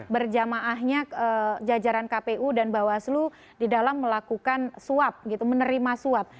berjamaahnya jajaran kpu dan bawaslu di dalam melakukan suap gitu menerima suap